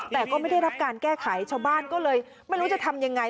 แต่ก็ไม่ได้รับการแก้ไขชาวบ้านก็เลยไม่รู้จะทำยังไง